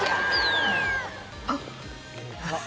あっ。